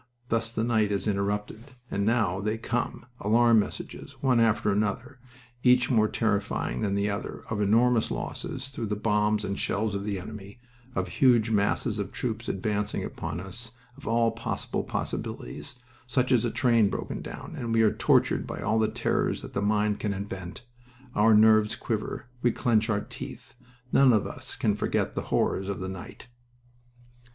Thus the night is interrupted, and now they come, alarm messages, one after the other, each more terrifying than the other, of enormous losses through the bombs and shells of the enemy, of huge masses of troops advancing upon us, of all possible possibilities, such as a train broken down, and we are tortured by all the terrors that the mind can invent. Our nerves quiver. We clench our teeth. None of us can forget the horrors of the night."